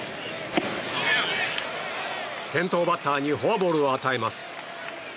先頭バッターにフォアボールを与えます。